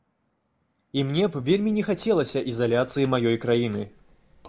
І мне б вельмі не хацелася ізаляцыі маёй краіны.